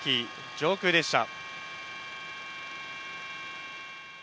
上空でした。